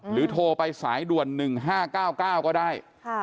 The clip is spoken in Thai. โทรไปสายด่วน๑๕๙๙ก็ได้